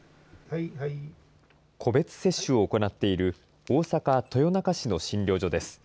個別接種を行っている、大阪・豊中市の診療所です。